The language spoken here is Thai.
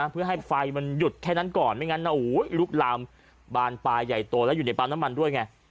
เพื่อให้ไฟมันหยุดแค่นั้นก่อนไม่งั้นนะลุกลามบานปลายใหญ่โตแล้วอยู่ในปั๊มน้ำมันด้วยไง